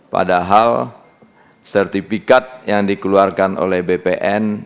padahal sertifikat yang dikeluarkan oleh bpn